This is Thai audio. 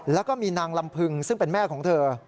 แล้วก็มีนางลำพึงซึ่งเป็นแม่ของเธอ